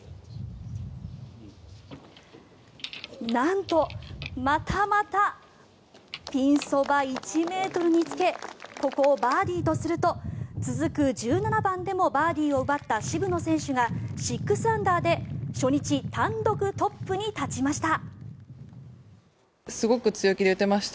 なんとまたまたピンそば１ｍにつけここをバーディーとすると続く１７番でもバーディーを奪った渋野選手が６アンダーで初日単独トップに立ちました。